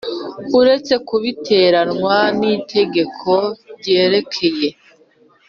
Uretse ku biteganywa n itegeko ryerekeye